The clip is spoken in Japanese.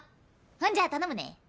ほんじゃ頼むね。